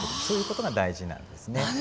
そういう事が大事になんですね。